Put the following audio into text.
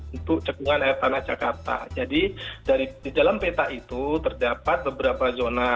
untuk cekungan air tanah jakarta jadi di dalam peta itu terdapat beberapa zona